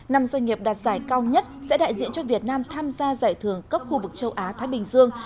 năm doanh nghiệp đạt giải cao nhất sẽ đại diện cho việt nam tham gia giải thưởng cấp khu vực châu á thái bình dương